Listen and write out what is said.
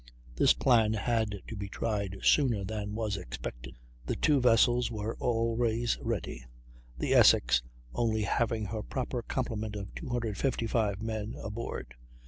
This plan had to be tried sooner than was expected. The two vessels were always ready, the Essex only having her proper complement of 255 men aboard.